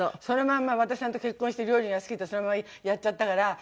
そのまんま和田さんと結婚して料理が好きでそのままやっちゃったから。